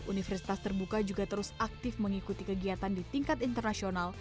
universitas terbuka juga terus aktif mengikuti kegiatan di tingkat internasional